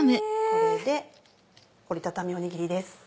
これで折りたたみおにぎりです。